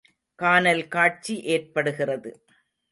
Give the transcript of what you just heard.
கானல் காட்சி ஏற்படுகிறது.